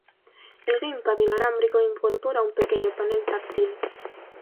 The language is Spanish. El GamePad inalámbrico incorpora un pequeño panel táctil.